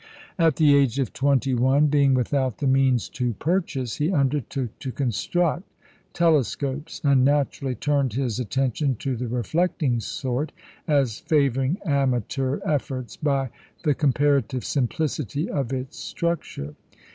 At the age of twenty one, being without the means to purchase, he undertook to construct telescopes, and naturally turned his attention to the reflecting sort, as favouring amateur efforts by the comparative simplicity of its structure.